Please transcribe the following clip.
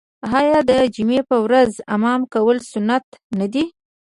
آیا د جمعې په ورځ حمام کول سنت نه دي؟